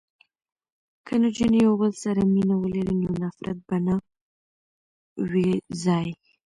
که نجونې یو بل سره مینه ولري نو نفرت به نه وي ځای.